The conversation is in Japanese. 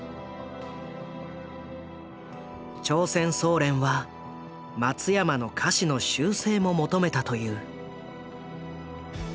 朝鮮総連は松山の歌詞の修正も求めたという。